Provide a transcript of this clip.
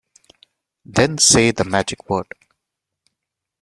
Then say the magic word.